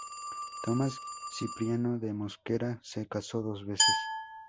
Tomás Cipriano de Mosquera se casó dos veces.